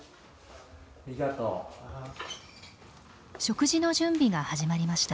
食事の準備が始まりました。